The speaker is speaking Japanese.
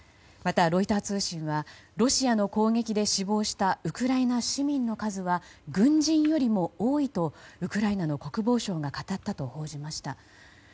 また、ロイター通信はロシアの攻撃で死亡したウクライナ市民の数は軍人よりも多いとウクライナの国防相が語ったと報じました。